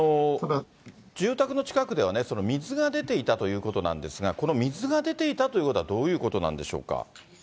住宅の近くではね、水が出ていたということなんですが、この水が出ていたということはどういうことなんでしょうか。